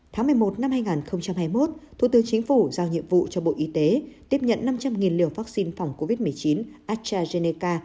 tháng một mươi một năm hai nghìn hai mươi một thủ tướng chính phủ giao nhiệm vụ cho bộ y tế tiếp nhận năm trăm linh liều vaccine phòng covid một mươi chín astrazeneca